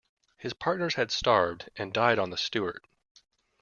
His partners had starved and died on the Stewart.